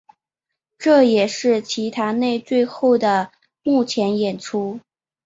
这也是齐达内最后的幕前演出。